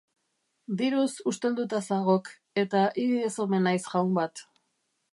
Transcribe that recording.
Diruz ustelduta zagok, eta hi ez omen haiz jaun bat.